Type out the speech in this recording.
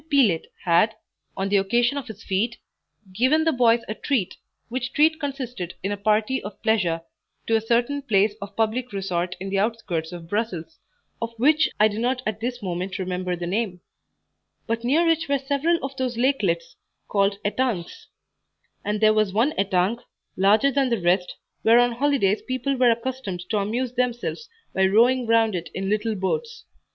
Pelet had, on the occasion of his fete, given the boys a treat, which treat consisted in a party of pleasure to a certain place of public resort in the outskirts of Brussels, of which I do not at this moment remember the name, but near it were several of those lakelets called etangs; and there was one etang, larger than the rest, where on holidays people were accustomed to amuse themselves by rowing round it in little boats.